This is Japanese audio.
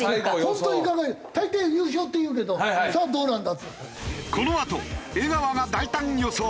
本当に考えて大抵優勝っていうけどさあどうなんだ？